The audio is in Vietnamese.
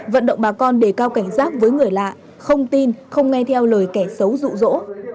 vận động bà con đề cao cảnh giác với người lạ không tin không nghe theo lời kẻ xấu rụ rỗ